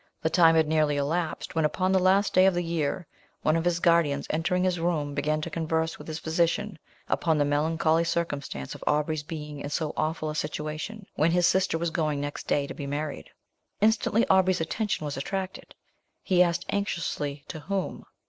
The time had nearly elapsed, when, upon the last day of the year, one of his guardians entering his room, began to converse with his physician upon the melancholy circumstance of Aubrey's being in so awful a situation, when his sister was going next day to be married. Instantly Aubrey's attention was attracted; he asked anxiously to whom.